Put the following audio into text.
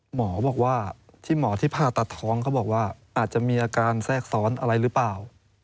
หมอบอกว่าที่หมอที่ผ่าตัดท้องเขาบอกว่าอาจจะมีอาการแทรกซ้อนอะไรหรือเปล่า